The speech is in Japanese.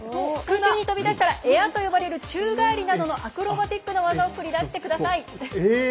空中に飛び出したらエアと呼ばれる宙返りなどのアクロバティックの技を決めてください。